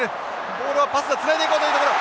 ボールはパスがつないでいこうというところ！